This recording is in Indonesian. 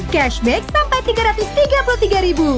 cashback sampai tiga ratus tiga puluh tiga ribu